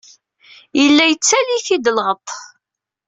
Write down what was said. Yella yettaley-it-id lɣeṭṭ.